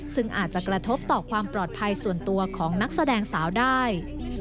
ซึ่งอาจจะกระทบต่อความปลอดภัยส่วนตัวของนักแสดงสาวได้